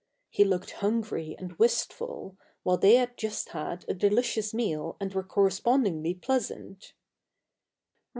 He looked hungry and wistful, while they had just had a delicious meal and were correspondingly pleasant.